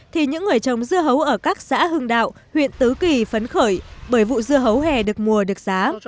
thì những người trồng dưa hấu ở các xã hưng đạo huyện tứ kỳ phấn khởi bởi vụ dưa hấu hè được mùa được giá